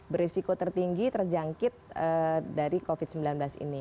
berisiko tertinggi terjangkit dari covid sembilan belas ini